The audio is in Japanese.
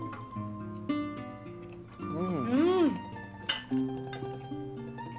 うん。